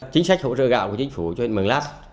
chính sách hỗ trợ gạo của chính phủ cho huyện mường lát